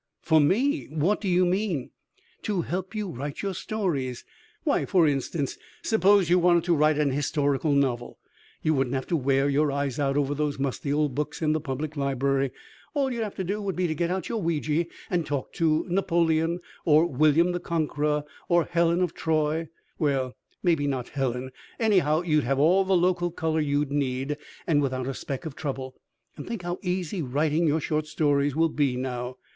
"For me! What do you mean?" "To help you write your stories. Why, for instance, suppose you wanted to write an historical novel. You wouldn't have to wear your eyes out over those musty old books in the public library. All you'd have to do would be to get out your Ouija and talk to Napoleon, or William the Conqueror, or Helen of Troy well, maybe not Helen anyhow you'd have all the local color you'd need, and without a speck of trouble. And think how easy writing your short stories will be now."